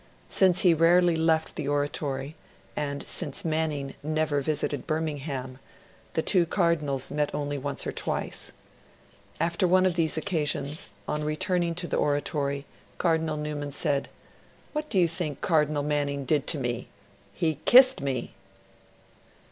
Since he rarely left the Oratory, and since Manning never visited Birmingham, the two Cardinals met only once or twice. After one of these occasions, on returning to the Oratory, Cardinal Newman said, 'What do you think Cardinal Manning did to me? He kissed me!'